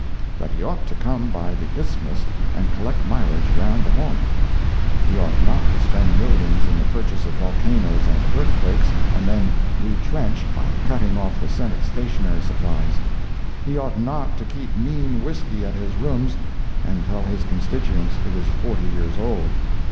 That he ought to come by the Isthmus and collect mileage around the Horn. He ought not to spend millions in the purchase of volcanoes and earthquakes, and then "retrench" by cutting off the Senate's stationery supplies. He ought not to keep mean whiskey at his rooms and tell his constituents it is forty years old.